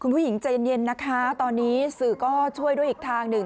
ผู้หญิงใจเย็นนะคะตอนนี้สื่อก็ช่วยด้วยอีกทางหนึ่ง